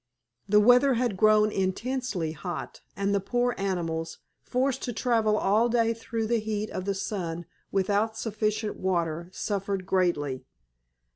The weather had grown intensely hot, and the poor animals, forced to travel all day through the heat of the sun without sufficient water, suffered greatly.